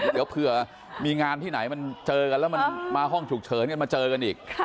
เดี๋ยวเผื่อมีงานที่ไหนมันเจอกันแล้วมันมาห้องฉุกเฉินกันมาเจอกันอีก